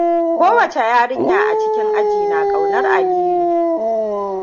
Kowace yarinya a cikin aji na ƙaunar Aliyu.